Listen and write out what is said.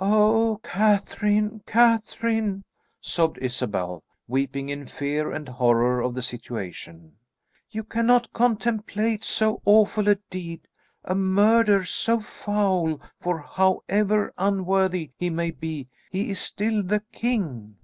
"Oh, Catherine, Catherine," sobbed Isabel, weeping in fear and horror of the situation, "you cannot contemplate so awful a deed, a murder so foul, for however unworthy he may be, he is still the king."